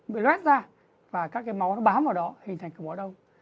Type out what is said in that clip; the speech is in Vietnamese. bị rát ra và các cái máu nó bám vào đó hình thành cục máu đông